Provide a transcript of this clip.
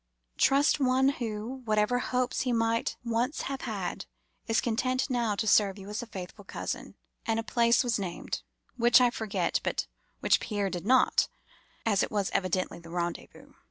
Trust one who, whatever hopes he might once have had, is content now to serve you as a faithful cousin;' and a place was named, which I forget, but which Pierre did not, as it was evidently the rendezvous.